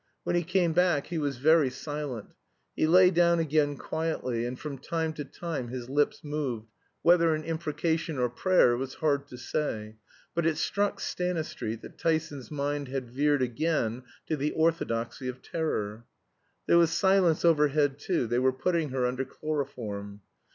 When he came back he was very silent. He lay down again quietly, and from time to time his lips moved, whether in imprecation or prayer it was hard to say; but it struck Stanistreet that Tyson's mind had veered again to the orthodoxy of terror. There was silence overhead too. They were putting her under chloroform.